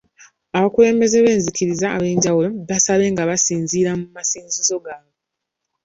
Abakulembeze b’enzikiriza ab’enjawulo baasabye nga basinziira mu masinzizo gaabwe.